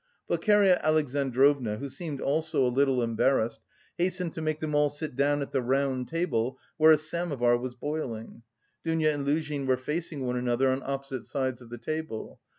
Pulcheria Alexandrovna, who seemed also a little embarrassed, hastened to make them all sit down at the round table where a samovar was boiling. Dounia and Luzhin were facing one another on opposite sides of the table.